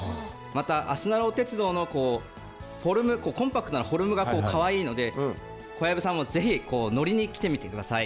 また、あすなろう鉄道のフォルム、コンパクトなフォルムがかわいいので、小籔さんもぜひ乗りに来てみてください。